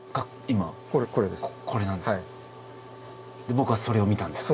僕はそれを見たんですか？